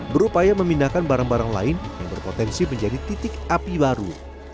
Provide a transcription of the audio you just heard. berupaya memindahkan barang barang lain yang berpotensi menjadi titik api baru